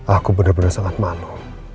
aku bener bener sangat malu